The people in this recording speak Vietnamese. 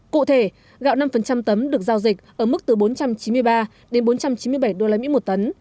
cụ thể gạo năm tấm được giao dịch ở mức từ bốn trăm chín mươi ba đến bốn trăm chín mươi bảy usd một tấn